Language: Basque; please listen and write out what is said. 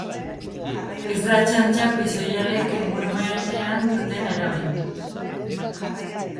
Ez da txantxa pixoihalek ingurumenean duten eragina.